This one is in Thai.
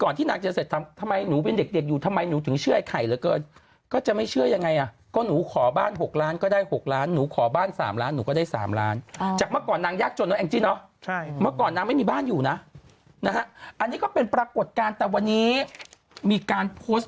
นี่ไม่รู้เท่าไหร่ส่งไข่แล้วไข่บอกมาก